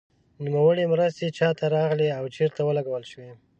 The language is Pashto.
نوموړې مرستې چا ته راغلې او چیرته ولګول شوې.